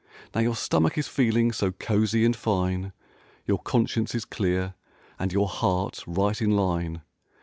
Now your stomach is feeling so cozy and fine. Your conscience is clear and your heart right in line.